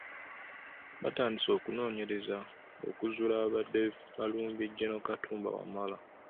Baatandise okunoonyereza okuzuula abaabadde balumbye Gen. Katumba Wamala.